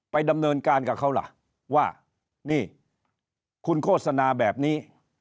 ดำเนินการกับเขาล่ะว่านี่คุณโฆษณาแบบนี้